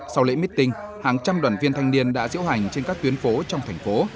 sau lễ meeting hàng trăm đoàn viên thanh niên đã diễu hành trên các tuyến phố trong thành phố